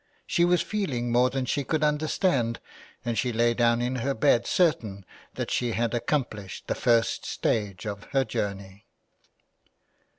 She was feeling more than she could understand, and she lay down in her bed certain that she had accom plished the first stage of her journey.